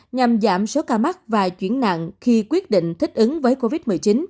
nhằm giảm số ca mắc và chuyển nặng khi quyết định thích ứng với covid một mươi chín